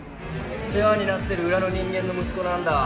世話になってる裏の人間の息子なんだわ。